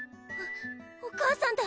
・お母さんだ！